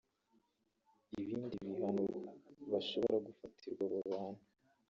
Ibindi bihano bashobora gufatirwa abo bantu